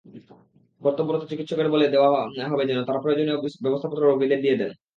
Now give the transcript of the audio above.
কর্তব্যরত চিকিৎসকদের বলে দেওয়া হবে যেন তাঁরা প্রয়োজনীয় ব্যবস্থাপত্র রোগীদের দিয়ে দেন।